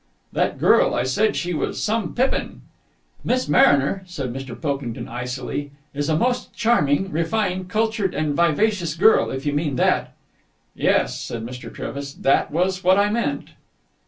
"That girl.... I said she was some pippin!" "Miss Mariner," said Mr. Pilkington icily, "is a most charming, refined, cultured, and vivacious girl, if you mean that." "Yes," said Mr. Trevis. "That was what I meant!"